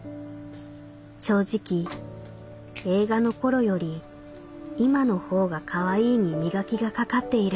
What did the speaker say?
正直映画の頃より今のほうがかわいいに磨きがかかっている」。